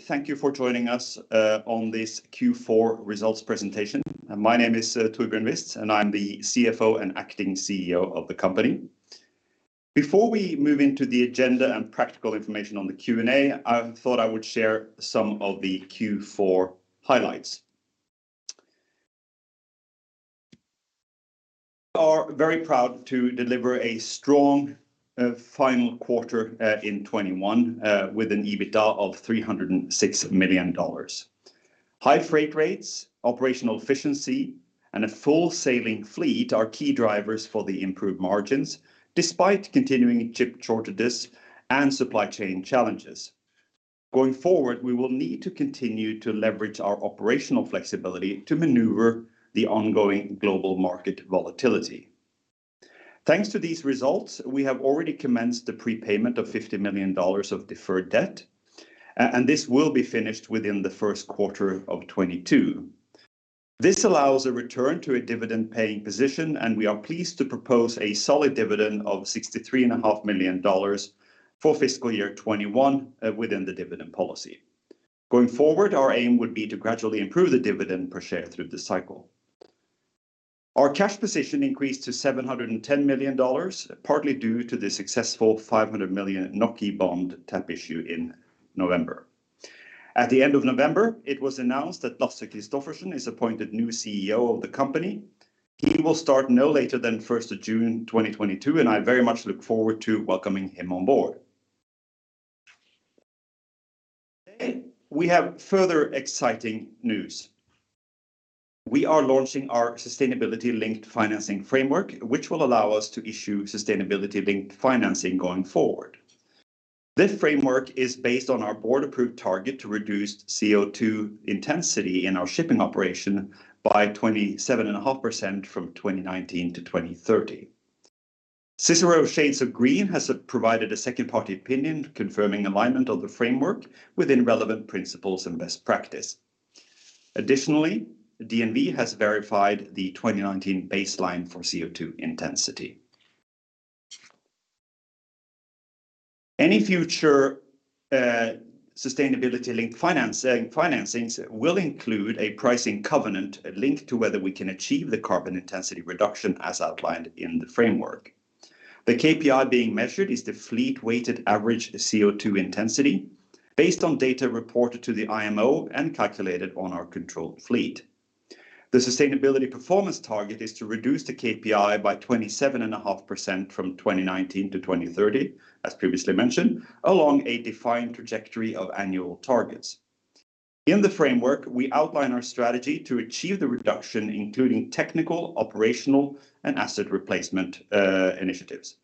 Thank you for joining us on this Q4 results presentation. My name is Torbjørn Wist, and I'm the CFO and Acting CEO of the company. Before we move into the agenda and practical information on the Q&A, I thought I would share some of the Q4 highlights. We are very proud to deliver a strong final quarter in 2021 with an EBITDA of $306 million. High freight rates, operational efficiency, and a full sailing fleet are key drivers for the improved margins despite continuing chip shortages and supply chain challenges. Going forward, we will need to continue to leverage our operational flexibility to maneuver the ongoing global market volatility. Thanks to these results, we have already commenced the prepayment of $50 million of deferred debt, and this will be finished within the first quarter of 2022. This allows a return to a dividend-paying position, and we are pleased to propose a solid dividend of $63.5 million for FY 2021 within the dividend policy. Going forward, our aim would be to gradually improve the dividend per share through the cycle. Our cash position increased to $710 million, partly due to the successful 500 million bond tap issue in November. At the end of November, it was announced that Lasse Kristoffersen is appointed new CEO of the company. He will start no later than 1st June, 2022, and I very much look forward to welcoming him on board. Today we have further exciting news. We are launching our sustainability-linked financing framework, which will allow us to issue sustainability-linked financing going forward. This framework is based on our board-approved target to reduce CO2 intensity in our shipping operation by 27.5% from 2019 to 2030. CICERO Shades of Green has provided a second-party opinion confirming alignment of the framework within relevant principles and best practice. Additionally, DNV has verified the 2019 baseline for CO2 intensity. Any future sustainability-linked financings will include a pricing covenant linked to whether we can achieve the carbon intensity reduction as outlined in the framework. The KPI being measured is the fleet-weighted average CO2 intensity based on data reported to the IMO and calculated on our controlled fleet. The sustainability performance target is to reduce the KPI by 27.5% from 2019 to 2030, as previously mentioned, along a defined trajectory of annual targets. In the framework, we outline our strategy to achieve the reduction, including technical, operational, and asset replacement initiatives.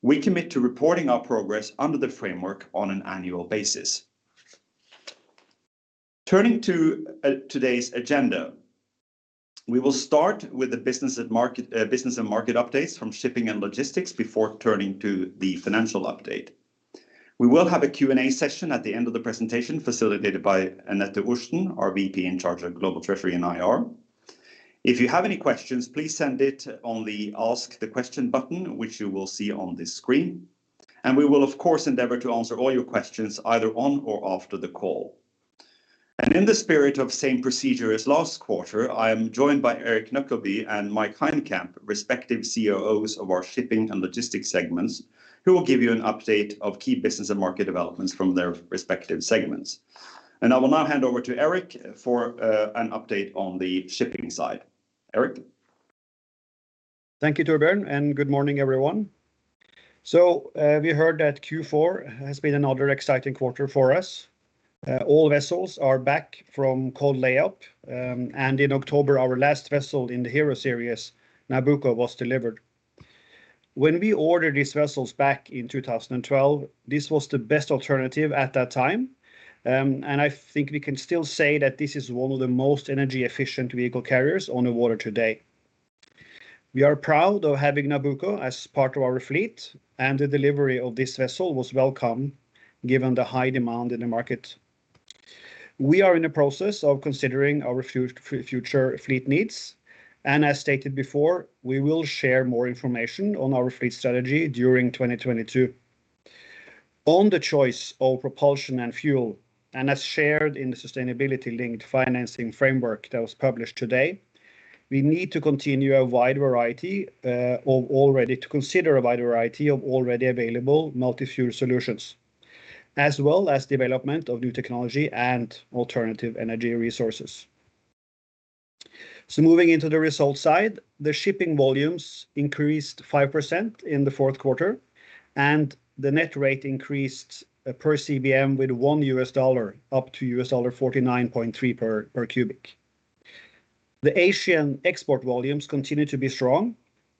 We commit to reporting our progress under the framework on an annual basis. Turning to today's agenda, we will start with the business and market updates from shipping and logistics before turning to the financial update. We will have a Q&A session at the end of the presentation facilitated by Anette Koefoed, our VP in charge of Global Treasury and IR. If you have any questions, please send it on the Ask the Question button, which you will see on this screen, and we will of course endeavor to answer all your questions either on or after the call. In the spirit of same procedure as last quarter, I am joined by Erik Noeklebye and Mike Hynekamp, respective COOs of our shipping and logistics segments, who will give you an update of key business and market developments from their respective segments. I will now hand over to Erik for an update on the shipping side. Erik? Thank you, Torbjørn, and good morning, everyone. We heard that Q4 has been another exciting quarter for us. All vessels are back from cold layup, and in October, our last vessel in the HERO series, Nabucco, was delivered. When we ordered these vessels back in 2012, this was the best alternative at that time, and I think we can still say that this is one of the most energy-efficient vehicle carriers on the water today. We are proud of having Nabucco as part of our fleet, and the delivery of this vessel was welcome given the high demand in the market. We are in the process of considering our future fleet needs, and as stated before, we will share more information on our fleet strategy during 2022. On the choice of propulsion and fuel, and as shared in the sustainability-linked financing framework that was published today, we need to continue to consider a wide variety of already available multi-fuel solutions, as well as development of new technology and alternative energy resources. Moving into the results side, the shipping volumes increased 5% in the fourth quarter, and the net rate increased per CBM by $1, up to $49.3 per cubic. The Asian export volumes continue to be strong,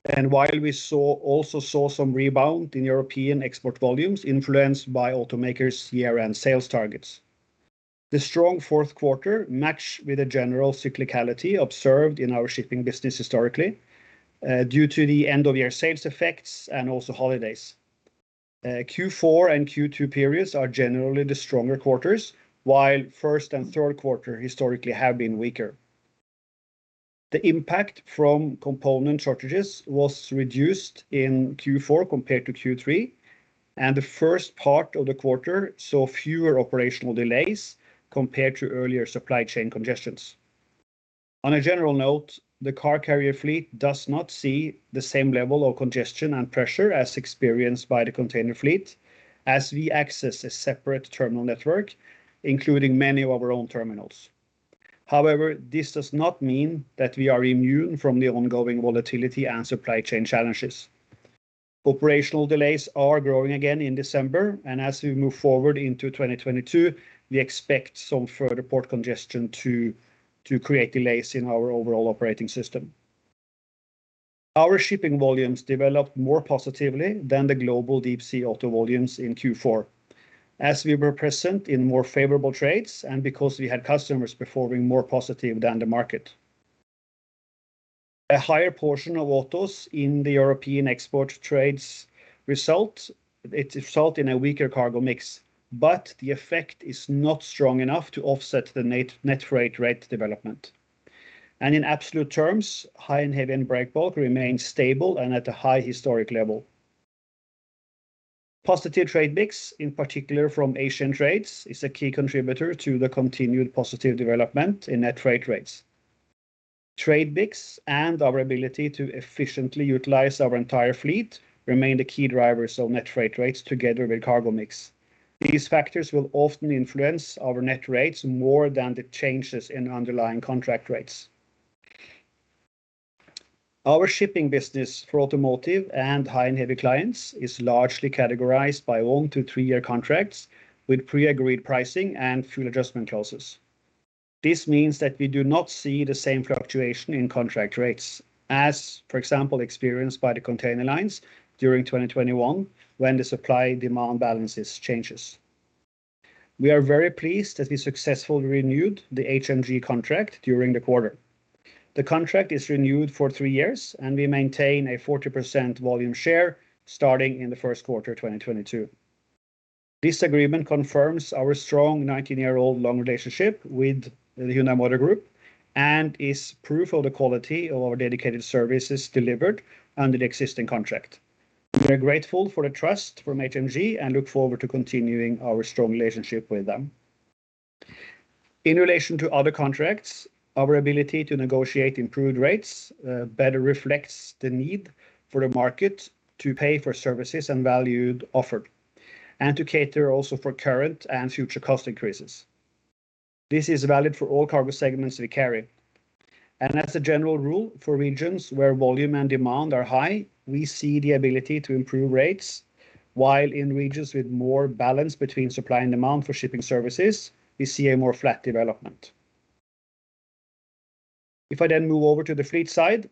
and while we also saw some rebound in European export volumes influenced by automakers' year-end sales targets. The strong fourth quarter matches with the general cyclicality observed in our shipping business historically, due to the end-of-year sales effects and also holidays. Q4 and Q2 periods are generally the stronger quarters, while first and third quarter historically have been weaker. The impact from component shortages was reduced in Q4 compared to Q3, and the first part of the quarter saw fewer operational delays compared to earlier supply chain congestions. On a general note, the car carrier fleet does not see the same level of congestion and pressure as experienced by the container fleet as we access a separate terminal network, including many of our own terminals. However, this does not mean that we are immune from the ongoing volatility and supply chain challenges. Operational delays are growing again in December, and as we move forward into 2022, we expect some further port congestion to create delays in our overall operating system. Our shipping volumes developed more positively than the global deep sea auto volumes in Q4 as we were present in more favorable trades and because we had customers performing more positive than the market. A higher portion of autos in the European export trades results in a weaker cargo mix, but the effect is not strong enough to offset the net freight rate development. In absolute terms, high and heavy and breakbulk remain stable and at a high historic level. Positive trade mix, in particular from Asian trades, is a key contributor to the continued positive development in net freight rates. Trade mix and our ability to efficiently utilize our entire fleet remain the key drivers of net freight rates together with cargo mix. These factors will often influence our net rates more than the changes in underlying contract rates. Our shipping business for automotive and high and heavy clients is largely categorized by 1-3 year contracts with pre-agreed pricing and fuel adjustment clauses. This means that we do not see the same fluctuation in contract rates as, for example, experienced by the container lines during 2021 when the supply-demand balances changes. We are very pleased that we successfully renewed the HMG contract during the quarter. The contract is renewed for three years, and we maintain a 40% volume share starting in the first quarter 2022. This agreement confirms our strong 19-year-old long relationship with the Hyundai Motor Group and is proof of the quality of our dedicated services delivered under the existing contract. We are grateful for the trust from HMG and look forward to continuing our strong relationship with them. In relation to other contracts, our ability to negotiate improved rates better reflects the need for the market to pay for services and value offered and to cater also for current and future cost increases. This is valid for all cargo segments we carry. As a general rule, for regions where volume and demand are high, we see the ability to improve rates, while in regions with more balance between supply and demand for shipping services, we see a more flat development. If I then move over to the fleet side,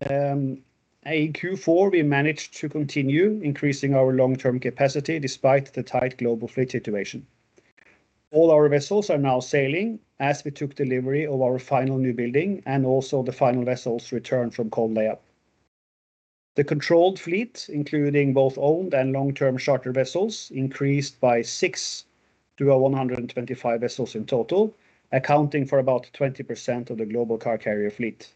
in Q4, we managed to continue increasing our long-term capacity despite the tight global fleet situation. All our vessels are now sailing as we took delivery of our final newbuilding and also the final vessels returned from cold lay-up. The controlled fleet, including both owned and long-term charter vessels, increased by six vessels to 125 vessels in total, accounting for about 20% of the global car carrier fleet.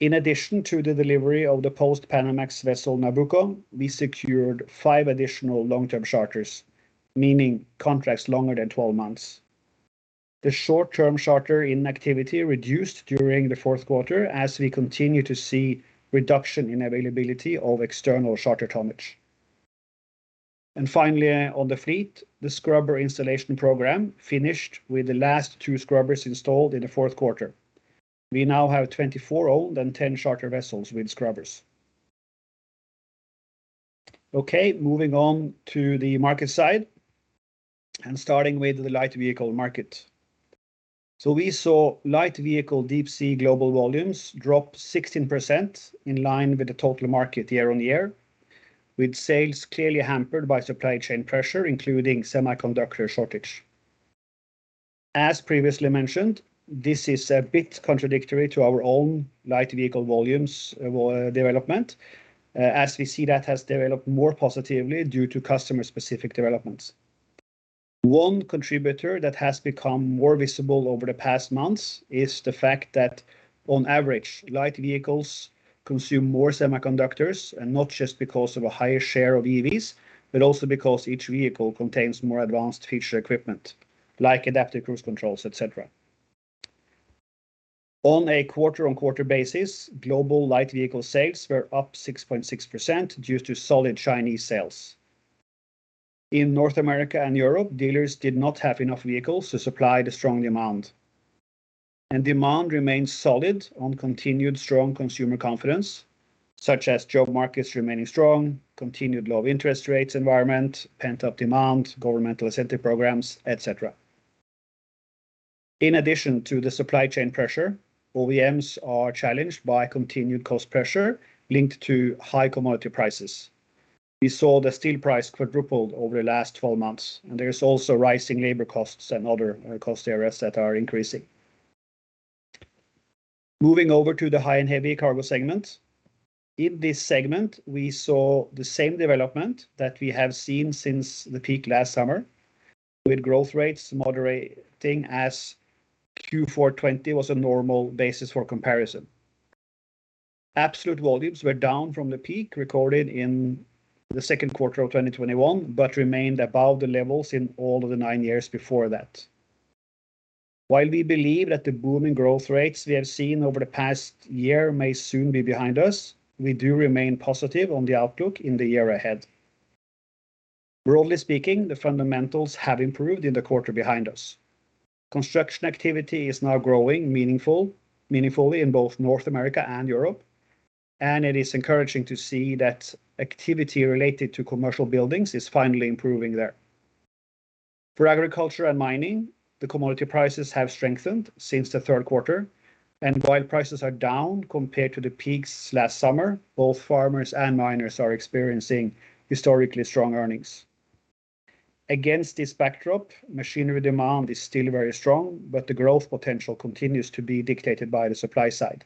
In addition to the delivery of the Post-Panamax vessel Nabucco, we secured five additional long-term charters, meaning contracts longer than 12 months. The short-term charter inactivity reduced during the fourth quarter as we continue to see reduction in availability of external charter tonnage. Finally, on the fleet, the scrubber installation program finished with the last two scrubbers installed in the fourth quarter. We now have 24 owned and 10 charter vessels with scrubbers. Okay, moving on to the market side and starting with the light vehicle market. We saw light vehicle deep sea global volumes drop 16% in line with the total market year-on-year, with sales clearly hampered by supply chain pressure, including semiconductor shortage. As previously mentioned, this is a bit contradictory to our own light vehicle volumes, development, as we see that has developed more positively due to customer specific developments. One contributor that has become more visible over the past months is the fact that on average, light vehicles consume more semiconductors, and not just because of a higher share of EVs, but also because each vehicle contains more advanced feature equipment like adaptive cruise controls, et cetera. On a quarter-on-quarter basis, global light vehicle sales were up 6.6% due to solid Chinese sales. In North America and Europe, dealers did not have enough vehicles to supply the strong demand. Demand remains solid on continued strong consumer confidence, such as job markets remaining strong, continued low interest rates environment, pent-up demand, governmental incentive programs, et cetera. In addition to the supply chain pressure, OEMs are challenged by continued cost pressure linked to high commodity prices. We saw the steel price quadrupled over the last 12 months, and there is also rising labor costs and other cost areas that are increasing. Moving over to the high and heavy cargo segment. In this segment, we saw the same development that we have seen since the peak last summer. With growth rates moderating as Q4 2020 was a normal basis for comparison. Absolute volumes were down from the peak recorded in the second quarter of 2021, but remained above the levels in all of the nine years before that. While we believe that the boom in growth rates we have seen over the past year may soon be behind us, we do remain positive on the outlook in the year ahead. Broadly speaking, the fundamentals have improved in the quarter behind us. Construction activity is now growing meaningfully in both North America and Europe, and it is encouraging to see that activity related to commercial buildings is finally improving there. For agriculture and mining, the commodity prices have strengthened since the third quarter, and while prices are down compared to the peaks last summer, both farmers and miners are experiencing historically strong earnings. Against this backdrop, machinery demand is still very strong, but the growth potential continues to be dictated by the supply side.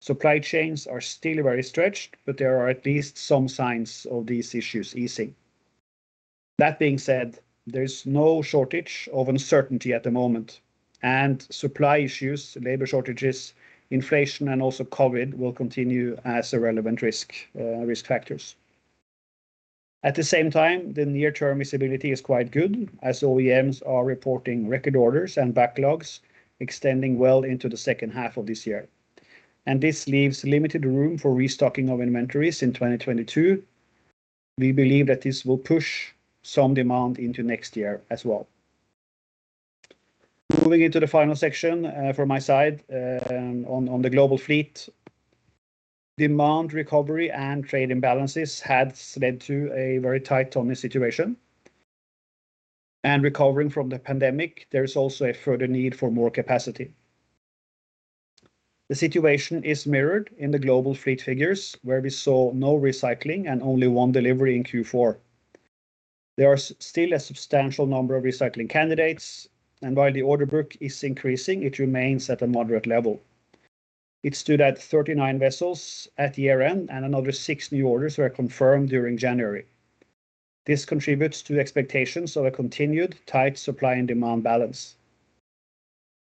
Supply chains are still very stretched, but there are at least some signs of these issues easing. That being said, there's no shortage of uncertainty at the moment, and supply issues, labor shortages, inflation, and also COVID will continue as a relevant risk factors. At the same time, the near-term visibility is quite good, as OEMs are reporting record orders and backlogs extending well into the second half of this year. This leaves limited room for restocking of inventories in 2022. We believe that this will push some demand into next year as well. Moving into the final section from my side on the global fleet. Demand recovery and trade imbalances had led to a very tight tonnage situation. Recovering from the pandemic, there is also a further need for more capacity. The situation is mirrored in the global fleet figures, where we saw no recycling and only one delivery in Q4. There are still a substantial number of recycling candidates, and while the order book is increasing, it remains at a moderate level. It stood at 39 vessels at year-end, and another six new orders were confirmed during January. This contributes to the expectations of a continued tight supply and demand balance.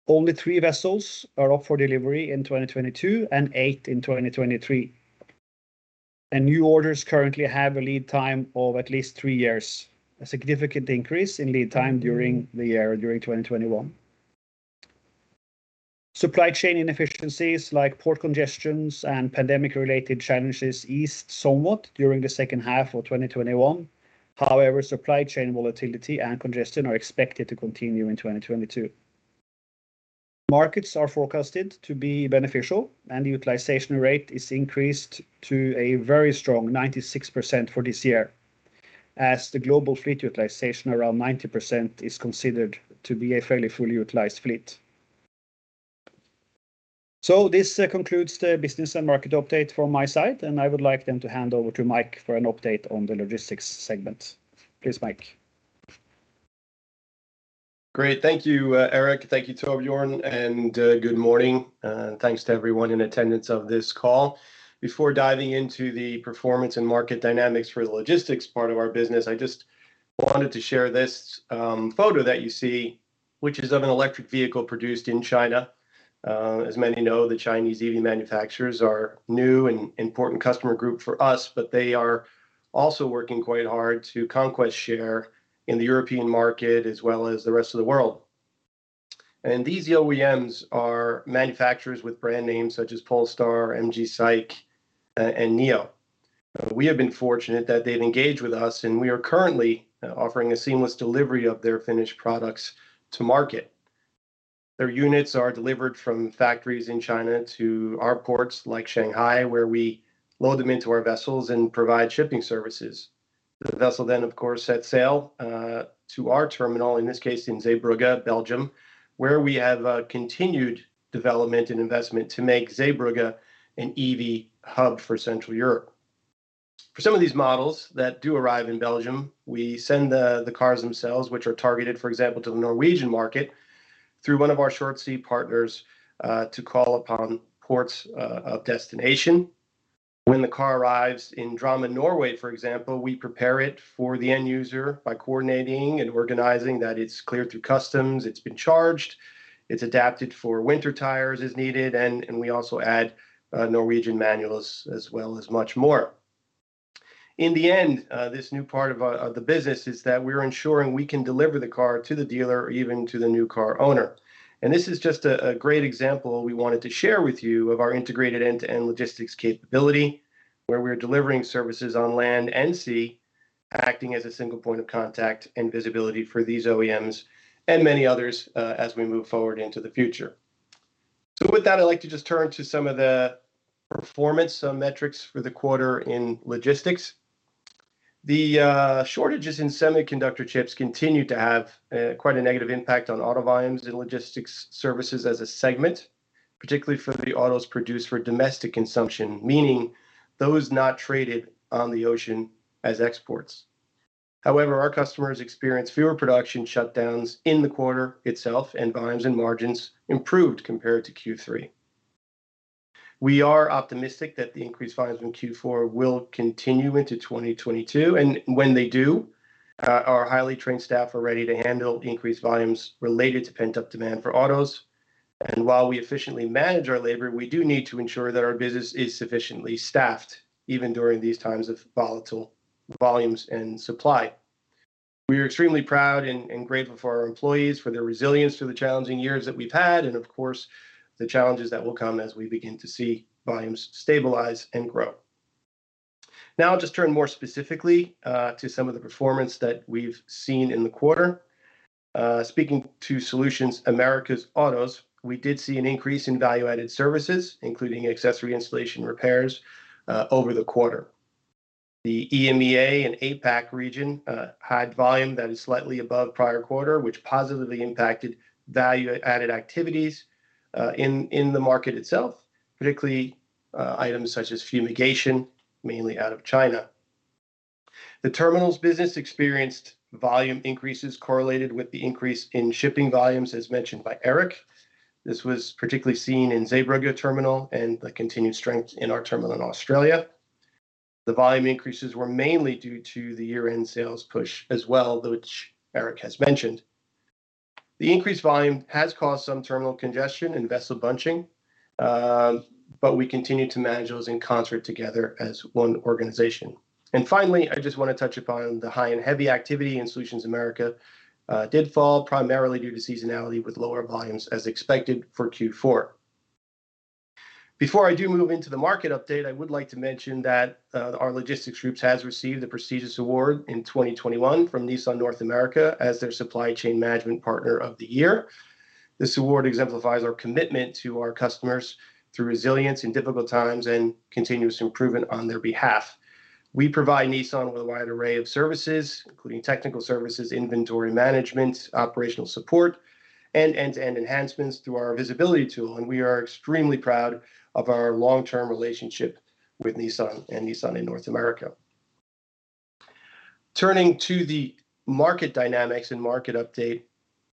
Only three vessels are up for delivery in 2022 and eight in 2023. New orders currently have a lead time of at least three years, a significant increase in lead time during the year, during 2021. Supply chain inefficiencies like port congestions and pandemic-related challenges eased somewhat during the second half of 2021. However, supply chain volatility and congestion are expected to continue in 2022. Markets are forecasted to be beneficial and utilization rate is increased to a very strong 96% for this year, as the global fleet utilization around 90% is considered to be a fairly fully utilized fleet. This concludes the business and market update from my side, and I would like then to hand over to Mike for an update on the logistics segment. Please, Mike. Great. Thank you, Erik. Thank you, Torbjørn, and good morning. Thanks to everyone in attendance of this call. Before diving into the performance and market dynamics for the logistics part of our business, I just wanted to share this photo that you see, which is of an electric vehicle produced in China. As many know, the Chinese EV manufacturers are new and important customer group for us, but they are also working quite hard to conquest share in the European market as well as the rest of the world. These OEMs are manufacturers with brand names such as Polestar, MG SAIC, and NIO. We have been fortunate that they've engaged with us, and we are currently offering a seamless delivery of their finished products to market. Their units are delivered from factories in China to our ports like Shanghai, where we load them into our vessels and provide shipping services. The vessel then, of course, set sail to our terminal, in this case in Zeebrugge, Belgium, where we have a continued development and investment to make Zeebrugge an EV hub for Central Europe. For some of these models that do arrive in Belgium, we send the cars themselves, which are targeted, for example, to the Norwegian market, through one of our short sea partners to call upon ports of destination. When the car arrives in Drammen, Norway, for example, we prepare it for the end user by coordinating and organizing that it's cleared through customs, it's been charged, it's adapted for winter tires as needed, and we also add Norwegian manuals as well as much more. In the end, this new part of the business is that we're ensuring we can deliver the car to the dealer or even to the new car owner. This is just a great example we wanted to share with you of our integrated end-to-end logistics capability, where we're delivering services on land and sea, acting as a single point of contact and visibility for these OEMs and many others, as we move forward into the future. With that, I'd like to just turn to some of the performance, some metrics for the quarter in logistics. The shortages in semiconductor chips continued to have quite a negative impact on auto volumes and Logistics Services as a segment, particularly for the autos produced for domestic consumption, meaning those not traded on the ocean as exports. However, our customers experienced fewer production shutdowns in the quarter itself, and volumes and margins improved compared to Q3. We are optimistic that the increased volumes in Q4 will continue into 2022. When they do, our highly trained staff are ready to handle increased volumes related to pent-up demand for autos. While we efficiently manage our labor, we do need to ensure that our business is sufficiently staffed, even during these times of volatile volumes and supply. We are extremely proud and grateful for our employees for their resilience through the challenging years that we've had, and of course, the challenges that will come as we begin to see volumes stabilize and grow. Now I'll just turn more specifically to some of the performance that we've seen in the quarter. Speaking to Solutions America's Autos, we did see an increase in value-added services, including accessory installation repairs, over the quarter. The EMEA and APAC region had volume that is slightly above prior quarter, which positively impacted value added activities in the market itself, particularly items such as fumigation, mainly out of China. The terminals business experienced volume increases correlated with the increase in shipping volumes, as mentioned by Erik. This was particularly seen in Zeebrugge terminal and the continued strength in our terminal in Australia. The volume increases were mainly due to the year-end sales push as well, which Erik has mentioned. The increased volume has caused some terminal congestion and vessel bunching, but we continue to manage those in concert together as one organization. Finally, I just wanna touch upon the high and heavy activity in Solutions America, did fall primarily due to seasonality with lower volumes as expected for Q4. Before I do move into the market update, I would like to mention that, our Logistics Services has received the prestigious award in 2021 from Nissan North America as their supply chain management partner of the year. This award exemplifies our commitment to our customers through resilience in difficult times and continuous improvement on their behalf. We provide Nissan with a wide array of services, including technical services, inventory management, operational support, and end-to-end enhancements through our visibility tool, and we are extremely proud of our long-term relationship with Nissan and Nissan North America. Turning to the market dynamics and market update,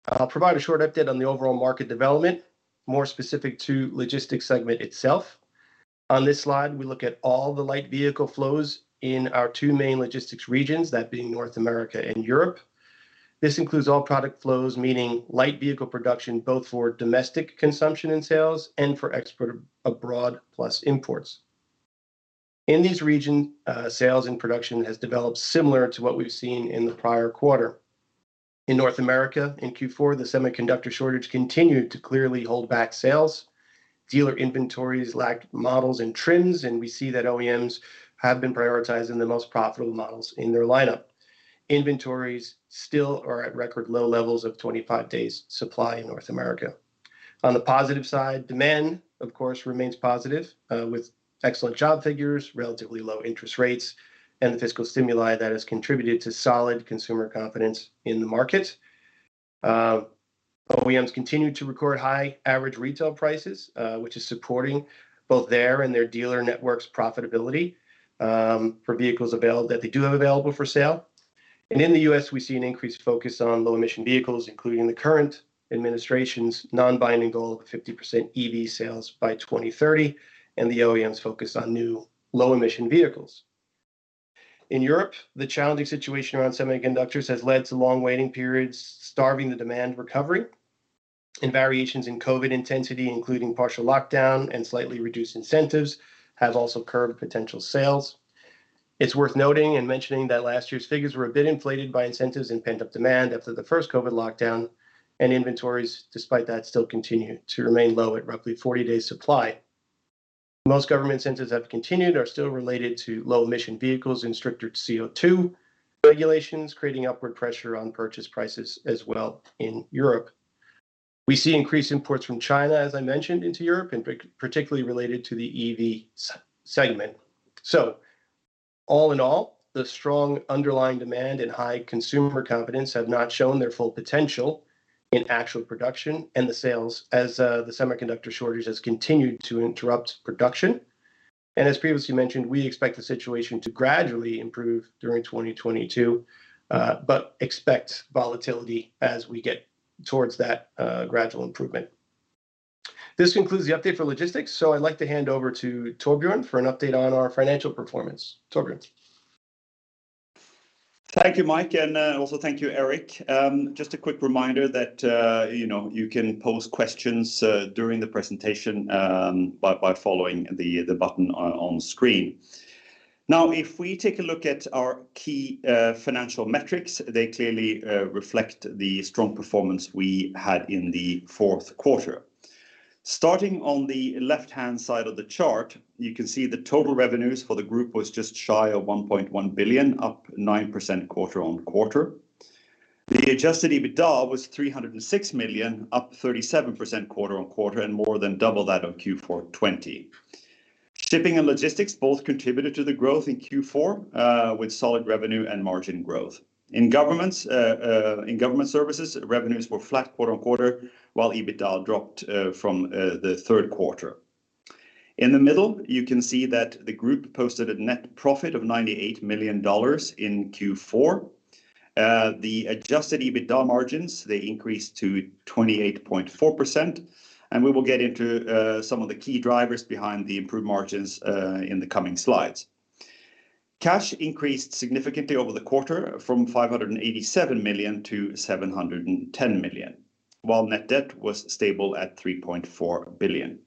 I'll provide a short update on the overall market development, more specific to logistics segment itself. On this slide, we look at all the light vehicle flows in our two main logistics regions, that being North America and Europe. This includes all product flows, meaning light vehicle production, both for domestic consumption and sales and for export abroad, plus imports. In these regions, sales and production have developed similar to what we've seen in the prior quarter. In North America, in Q4, the semiconductor shortage continued to clearly hold back sales. Dealer inventories lacked models and trims, and we see that OEMs have been prioritizing the most profitable models in their lineup. Inventories still are at record low levels of 25 days supply in North America. On the positive side, demand, of course, remains positive, with excellent job figures, relatively low interest rates, and the fiscal stimuli that has contributed to solid consumer confidence in the market. OEMs continued to record high average retail prices, which is supporting both their and dealer networks profitability, for vehicles that they do have available for sale. In the U.S., we see an increased focus on low emission vehicles, including the current administration's non-binding goal of 50% EV sales by 2030, and the OEMs focus on new low emission vehicles. In Europe, the challenging situation around semiconductors has led to long waiting periods, starving the demand recovery, and variations in COVID intensity, including partial lockdown and slightly reduced incentives, have also curbed potential sales. It's worth noting and mentioning that last year's figures were a bit inflated by incentives and pent-up demand after the first COVID lockdown, and inventories, despite that, still continue to remain low at roughly 40 days supply. Most government incentives have continued and are still related to low emission vehicles and stricter CO2 regulations, creating upward pressure on purchase prices as well in Europe. We see increased imports from China, as I mentioned, into Europe, and particularly related to the EV segment. All in all, the strong underlying demand and high consumer confidence have not shown their full potential in actual production and the sales as the semiconductor shortage has continued to interrupt production. As previously mentioned, we expect the situation to gradually improve during 2022, but expect volatility as we get towards that gradual improvement. This concludes the update for Logistics. I'd like to hand over to Torbjørn for an update on our financial performance. Torbjørn. Thank you, Mike, and also thank you, Erik. Just a quick reminder that you know you can pose questions during the presentation by following the button on screen. Now, if we take a look at our key financial metrics, they clearly reflect the strong performance we had in the fourth quarter. Starting on the left-hand side of the chart, you can see the total revenues for the group was just shy of $1.1 billion, up 9% quarter-on-quarter. The adjusted EBITDA was $306 million, up 37% quarter-on-quarter, and more than double that of Q4 2020. Shipping and logistics both contributed to the growth in Q4 with solid revenue and margin growth. In Government Services, revenues were flat quarter-on-quarter, while EBITDA dropped from the third quarter. In the middle, you can see that the group posted a net profit of $98 million in Q4. The adjusted EBITDA margins, they increased to 28.4% and we will get into some of the key drivers behind the improved margins in the coming slides. Cash increased significantly over the quarter from $587 million to $710 million, while net debt was stable at $3.4 billion.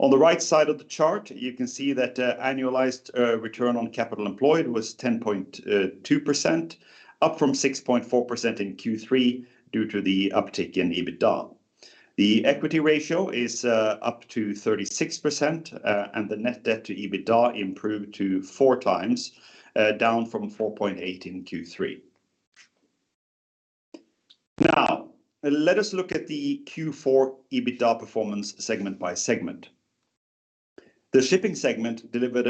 On the right side of the chart, you can see that annualized return on capital employed was 10.2%, up from 6.4% in Q3 due to the uptick in EBITDA. The equity ratio is up to 36%, and the net debt to EBITDA improved to 4x, down from 4.8x in Q3. Now, let us look at the Q4 EBITDA performance segment by segment. The shipping segment delivered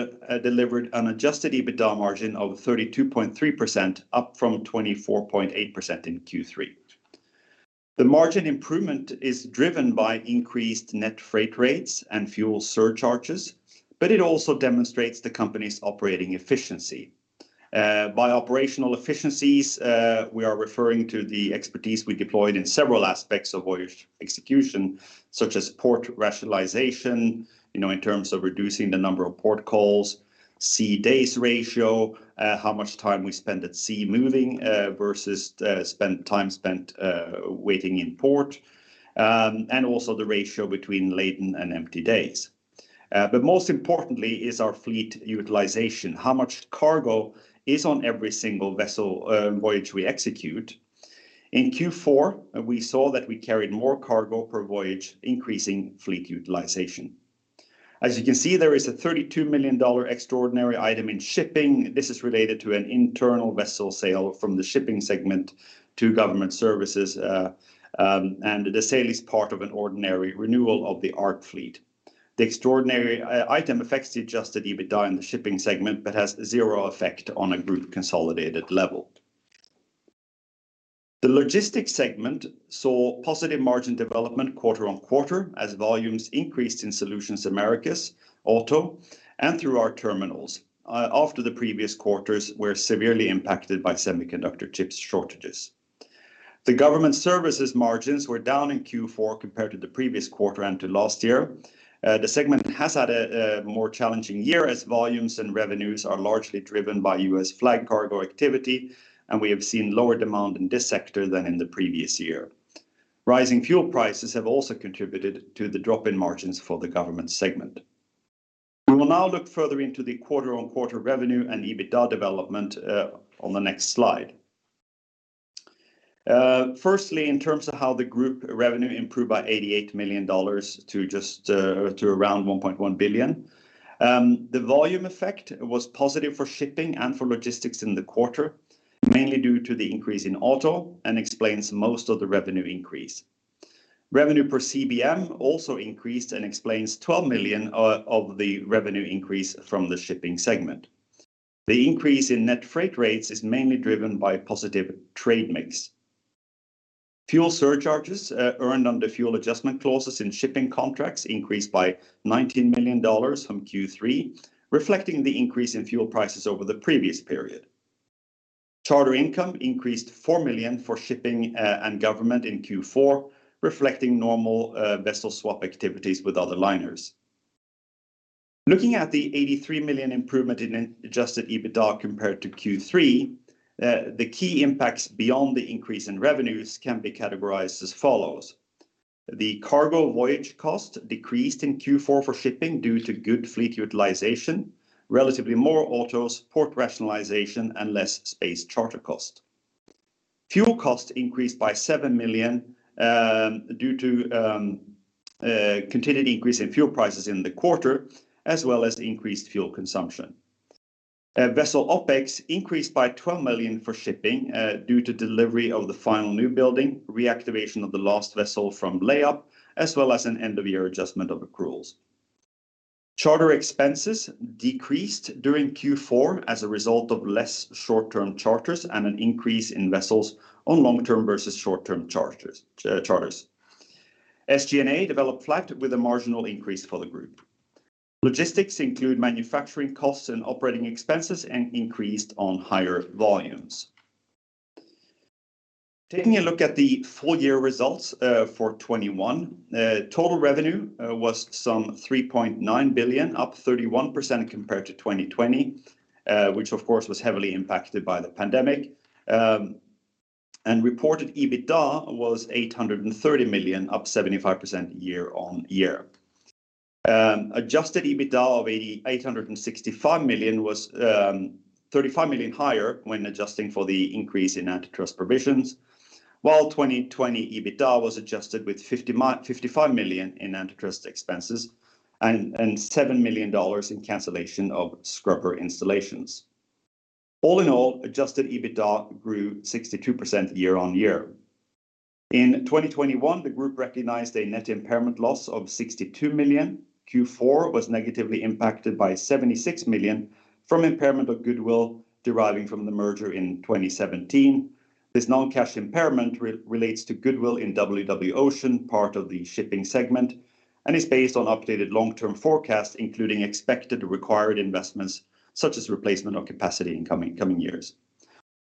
an adjusted EBITDA margin of 32.3%, up from 24.8% in Q3. The margin improvement is driven by increased net freight rates and fuel surcharges, but it also demonstrates the company's operating efficiency. By operational efficiencies, we are referring to the expertise we deployed in several aspects of voyage execution, such as port rationalization, you know, in terms of reducing the number of port calls, sea/days ratio, how much time we spend at sea moving versus spent time waiting in port, and also the ratio between laden and empty days. Most importantly is our fleet utilization. How much cargo is on every single vessel, voyage we execute. In Q4, we saw that we carried more cargo per voyage, increasing fleet utilization. As you can see, there is a $32 million extraordinary item in Shipping. This is related to an internal vessel sale from the Shipping segment to Government Services, and the sale is part of an ordinary renewal of the ARC fleet. The extraordinary item affects the adjusted EBITDA in the Shipping segment, but has zero effect on a group consolidated level. The Logistics segment saw positive margin development quarter-on-quarter as volumes increased in Solutions Americas, auto, and through our terminals, after the previous quarters were severely impacted by semiconductor chip shortages. The Government Services margins were down in Q4 compared to the previous quarter and to last year. The segment has had a more challenging year as volumes and revenues are largely driven by U.S. flag cargo activity, and we have seen lower demand in this sector than in the previous year. Rising fuel prices have also contributed to the drop in margins for the Government segment. We will now look further into the quarter-on-quarter revenue and EBITDA development on the next slide. Firstly, in terms of how the group revenue improved by $88 million to around $1.1 billion, the volume effect was positive for shipping and for logistics in the quarter, mainly due to the increase in auto and explains most of the revenue increase. Revenue per CBM also increased and explains $12 million of the revenue increase from the shipping segment. The increase in net freight rates is mainly driven by positive trade mix. Fuel surcharges earned under fuel adjustment clauses in shipping contracts increased by $19 million from Q3, reflecting the increase in fuel prices over the previous period. Charter income increased $4 million for shipping and government in Q4, reflecting normal vessel swap activities with other liners. Looking at the $83 million improvement in adjusted EBITDA compared to Q3, the key impacts beyond the increase in revenues can be categorized as follows: The cargo voyage cost decreased in Q4 for shipping due to good fleet utilization, relatively more autos, port rationalization, and less space charter cost. Fuel costs increased by $7 million due to continued increase in fuel prices in the quarter, as well as increased fuel consumption. Vessel OpEx increased by $12 million for shipping, due to delivery of the final new building, reactivation of the last vessel from layup, as well as an end of year adjustment of accruals. Charter expenses decreased during Q4 as a result of less short-term charters and an increase in vessels on long-term versus short-term charters. SG&A developed flat with a marginal increase for the group. Logistics include manufacturing costs and operating expenses and increased on higher volumes. Taking a look at the full year results for 2021, total revenue was some $3.9 billion, up 31% compared to 2020, which of course was heavily impacted by the pandemic. Reported EBITDA was $830 million, up 75% year-on-year. Adjusted EBITDA of $865 million was $35 million higher when adjusting for the increase in antitrust provisions, while 2020 EBITDA was adjusted with $55 million in antitrust expenses and $7 million in cancellation of scrubber installations. All in all, adjusted EBITDA grew 62% year-on-year. In 2021, the group recognized a net impairment loss of $62 million. Q4 was negatively impacted by $76 million from impairment of goodwill deriving from the merger in 2017. This non-cash impairment relates to goodwill in WW Ocean, part of the shipping segment. It's based on updated long-term forecasts, including expected required investments such as replacement of capacity in coming years.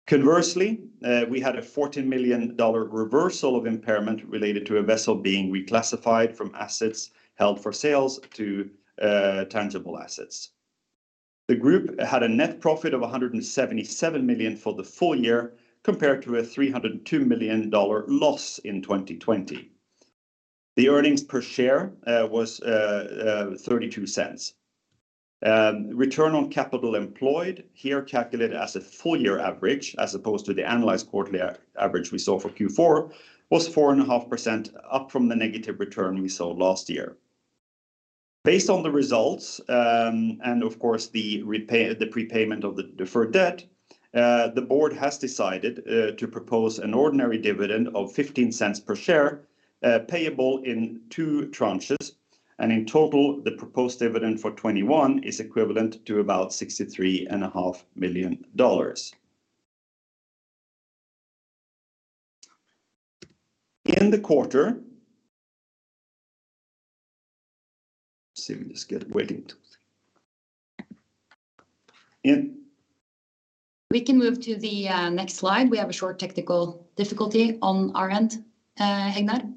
Conversely, we had a $14 million reversal of impairment related to a vessel being reclassified from assets held for sale to tangible assets. The group had a net profit of $177 million for the full year compared to a $302 million loss in 2020. The earnings per share was $0.32. Return on capital employed, here calculated as a full year average, as opposed to the analyzed quarterly average we saw for Q4, was 4.5% up from the negative return we saw last year. Based on the results, and of course the prepayment of the deferred debt, the board has decided to propose an ordinary dividend of $0.15 per share, payable in two tranches. In total, the proposed dividend for 2021 is equivalent to about $63.5 million. In the quarter. We can move to the next slide. We have a short technical difficulty on our end, Hegnar.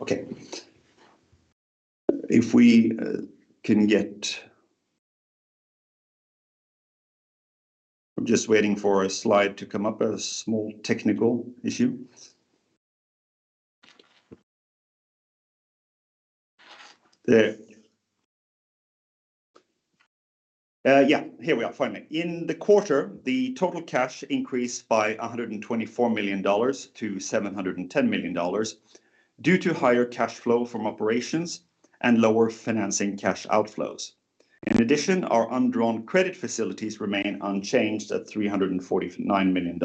Okay. If we can get. I'm just waiting for a slide to come up, a small technical issue. There. Yeah, here we are, finally. In the quarter, the total cash increased by $124 million to $710 million due to higher cash flow from operations and lower financing cash outflows. In addition, our undrawn credit facilities remain unchanged at $349 million.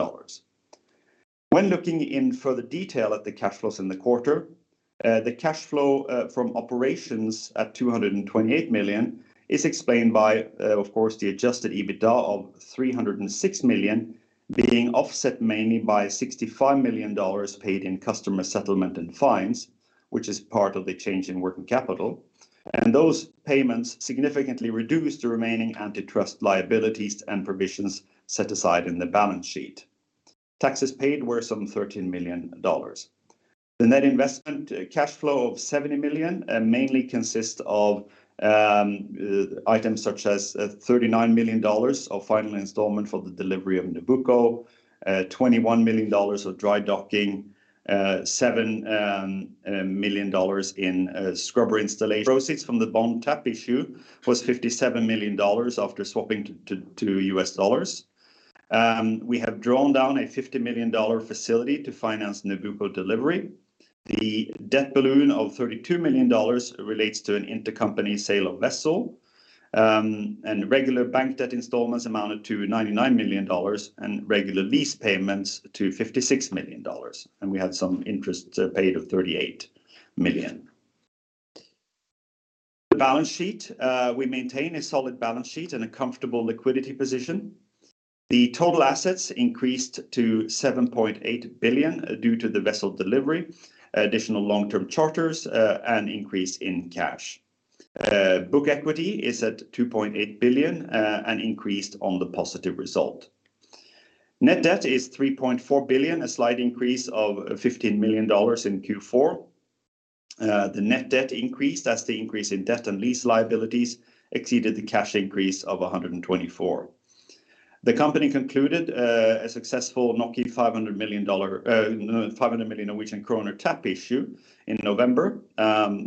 When looking in further detail at the cash flows in the quarter, the cash flow from operations at $228 million is explained by, of course, the adjusted EBITDA of $306 million being offset mainly by $65 million paid in customer settlement and fines, which is part of the change in working capital. Those payments significantly reduce the remaining antitrust liabilities and provisions set aside in the balance sheet. Taxes paid were some $13 million. The net investment cash flow of $70 million mainly consists of items such as $39 million of final installment for the delivery of Nabucco, $21 million of dry docking, $7 million in scrubber installation. Proceeds from the bond tap issue was $57 million after swapping to U.S. dollars. We have drawn down a $50 million facility to finance Nabucco delivery. The debt balloon of $32 million relates to an intercompany sale of vessel. Regular bank debt installments amounted to $99 million and regular lease payments to $56 million. We had some interest paid of $38 million. The balance sheet. We maintain a solid balance sheet and a comfortable liquidity position. The total assets increased to $7.8 billion due to the vessel delivery, additional long-term charters, and increase in cash. Book equity is at $2.8 billion and increased on the positive result. Net debt is $3.4 billion, a slight increase of $15 million in Q4. The net debt increase, that's the increase in debt and lease liabilities exceeded the cash increase of $124 million. The company concluded a successful NOK 500 million tap issue in November.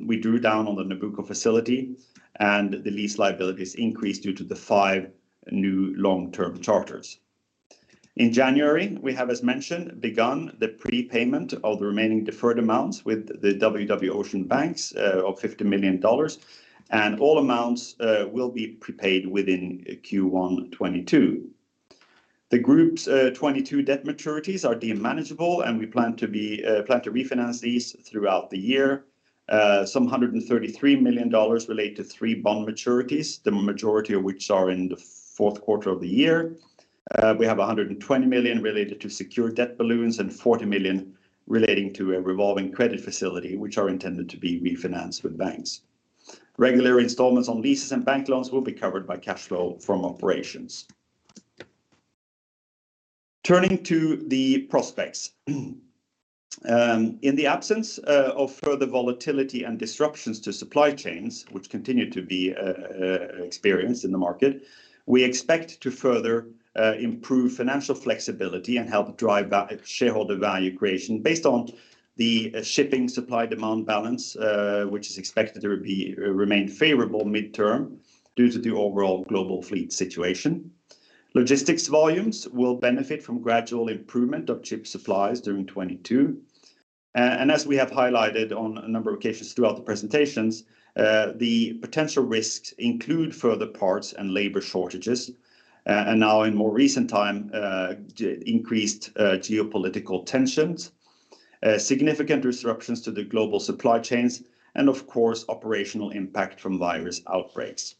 We drew down on the Nabucco facility, and the lease liabilities increased due to the five new long-term charters. In January, we have, as mentioned, begun the prepayment of the remaining deferred amounts with the WW Ocean banks of $50 million, and all amounts will be prepaid within Q1 2022. The group's 2022 debt maturities are deemed manageable, and we plan to refinance these throughout the year. Sum $133 million relate to three bond maturities, the majority of which are in the fourth quarter of the year. We have $120 million related to secured debt balloons and $40 million relating to a revolving credit facility, which are intended to be refinanced with banks. Regular installments on leases and bank loans will be covered by cash flow from operations. Turning to the prospects. In the absence of further volatility and disruptions to supply chains, which continue to be experienced in the market, we expect to further improve financial flexibility and help drive shareholder value creation based on the shipping supply-demand balance, which is expected to remain favorable medium term due to the overall global fleet situation. Logistics volumes will benefit from gradual improvement of chip supplies during 2022. As we have highlighted on a number of occasions throughout the presentations, the potential risks include further parts and labor shortages, and now in more recent time, increased geopolitical tensions. Significant disruptions to the global supply chains and, of course, operational impact from virus outbreaks.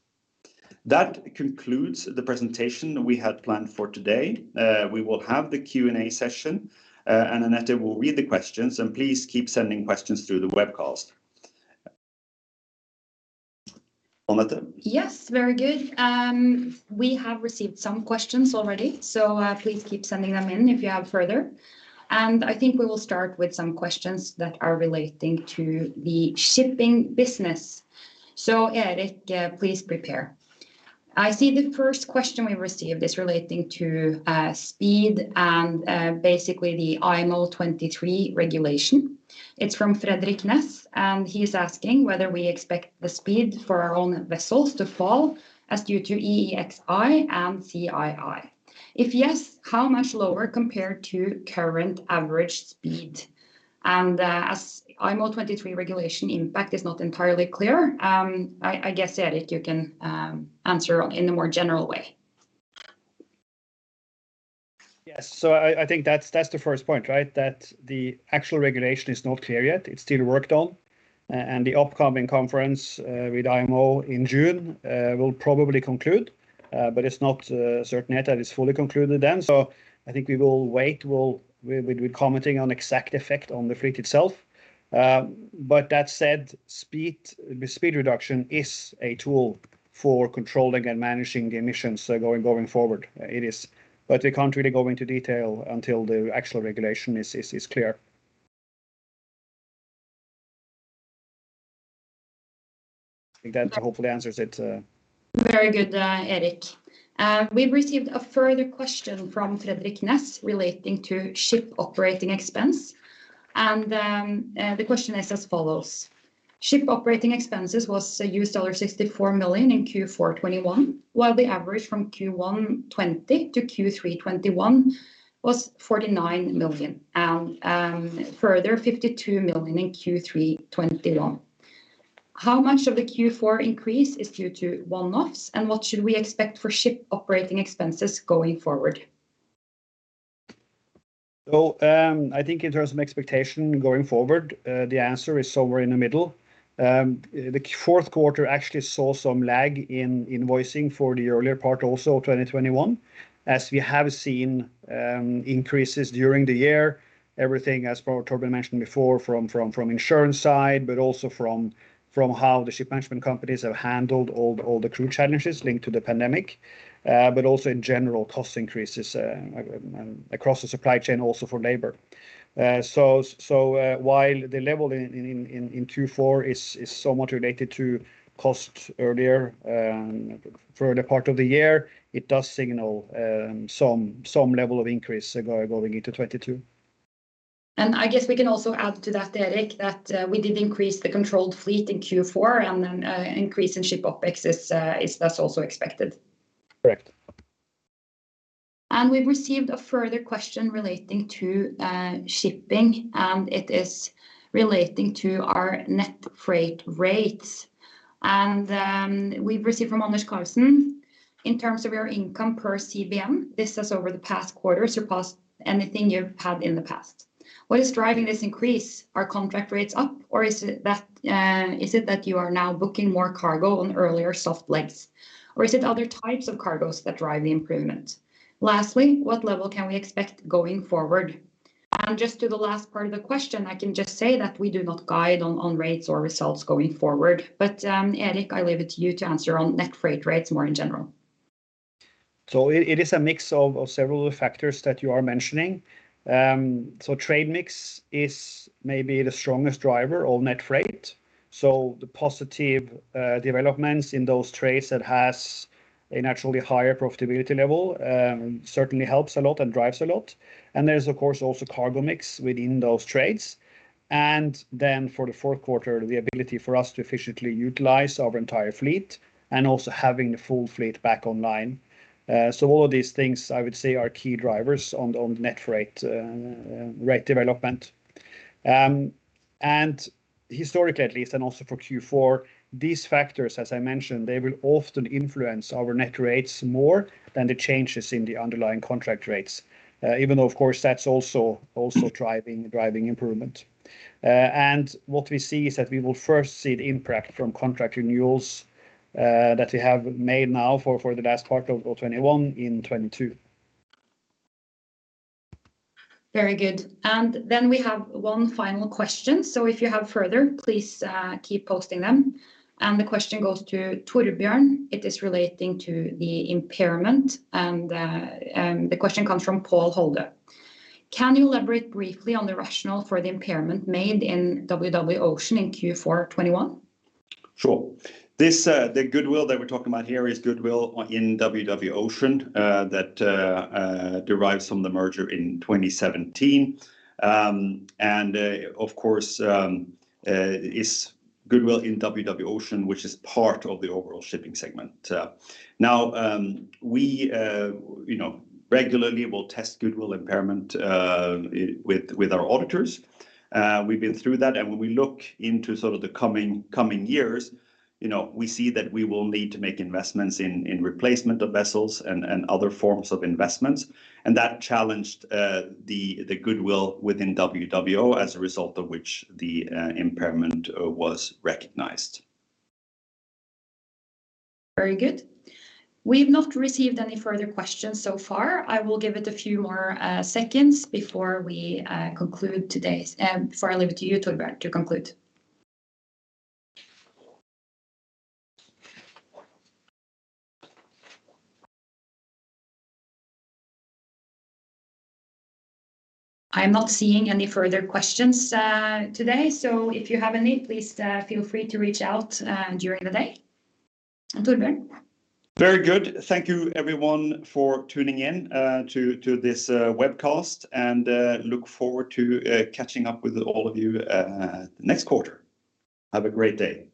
That concludes the presentation we had planned for today. We will have the Q&A session, and Anette will read the questions. Please keep sending questions through the webcast. Anette? Yes, very good. We have received some questions already, so please keep sending them in if you have further. I think we will start with some questions that are relating to the shipping business. Erik, please prepare. I see the first question we received is relating to speed and basically the IMO 2023 regulation. It's from Frederik Ness, and he's asking whether we expect the speed for our own vessels to fall due to EEXI and CII. If yes, how much lower compared to current average speed? As IMO 2023 regulation impact is not entirely clear, I guess, Erik, you can answer in a more general way. Yes. I think that's the first point, right? That the actual regulation is not clear yet. It's still worked on. The upcoming conference with IMO in June will probably conclude, but it's not certain yet that it's fully concluded then. I think we will wait. We'll be commenting on exact effect on the fleet itself. That said, the speed reduction is a tool for controlling and managing emissions going forward. It is. We can't really go into detail until the actual regulation is clear. I think that hopefully answers it. Very good, Erik. We've received a further question from Frederik Ness relating to ship operating expense and the question is as follows: "Ship operating expenses was $64 million in Q4 2021, while the average from Q1 2020 to Q3 2021 was $49 million and further $52 million in Q3 2021. How much of the Q4 increase is due to one-offs, and what should we expect for ship operating expenses going forward? Well, I think in terms of expectation going forward, the answer is somewhere in the middle. The fourth quarter actually saw some lag in invoicing for the earlier part also of 2021. As we have seen, increases during the year, everything, as Torbjørn mentioned before, from insurance side, but also from how the ship management companies have handled all the crew challenges linked to the pandemic, but also in general cost increases across the supply chain also for labor. So, while the level in Q4 is somewhat related to cost earlier, for the part of the year, it does signal some level of increase going into 2022. I guess we can also add to that, Erik, that we did increase the controlled fleet in Q4 and then, increase in ship OpEx is, that's also expected. Correct. We've received a further question relating to shipping, and it is relating to our net freight rates. We've received from Anders Karlsen, "In terms of your income per CBM, this is over the past quarters or past anything you've had in the past. What is driving this increase? Are contract rates up, or is it that you are now booking more cargo on earlier soft legs, or is it other types of cargos that drive the improvement? Lastly, what level can we expect going forward?" Just to the last part of the question, I can just say that we do not guide on rates or results going forward. Erik, I leave it to you to answer on net freight rates more in general. It is a mix of several factors that you are mentioning. Trade mix is maybe the strongest driver of net freight. The positive developments in those trades that has a naturally higher profitability level certainly helps a lot and drives a lot. There is of course also cargo mix within those trades and then for the fourth quarter, the ability for us to efficiently utilize our entire fleet and also having the full fleet back online. All of these things I would say are key drivers of net freight rate development. Historically at least, and also for Q4, these factors, as I mentioned, they will often influence our net rates more than the changes in the underlying contract rates. Even though of course that's also driving improvement. What we see is that we will first see the impact from contract renewals that we have made now for the last part of 2021 in 2022. Very good. We have one final question, so if you have further, please, keep posting them. The question goes to Torbjørn. It is relating to the impairment, and the question comes from Paul Holder: "Can you elaborate briefly on the rationale for the impairment made in WW Ocean in Q4 2021? Sure. This, the goodwill that we're talking about here is goodwill in WW Ocean that derives from the merger in 2017. Of course, it's goodwill in WW Ocean, which is part of the overall shipping segment. Now, you know, we regularly will test goodwill impairment with our auditors. We've been through that, and when we look into sort of the coming years, you know, we see that we will need to make investments in replacement of vessels and other forms of investments, and that challenged the goodwill within WWO as a result of which the impairment was recognized. Very good. We've not received any further questions so far. I will give it a few more seconds before I leave it to you, Torbjørn, to conclude. I'm not seeing any further questions today. So if you have any, please feel free to reach out during the day. Torbjørn? Very good. Thank you everyone for tuning in to this webcast and look forward to catching up with all of you next quarter. Have a great day.